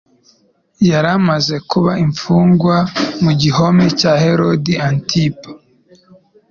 Yari amaze kuba imfungwa mu gihome cya Herode Antipa.